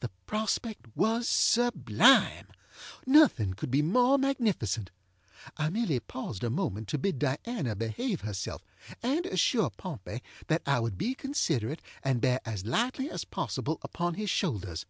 The prospect was sublime. Nothing could be more magnificent. I merely paused a moment to bid Diana behave herself, and assure Pompey that I would be considerate and bear as lightly as possible upon his shoulders.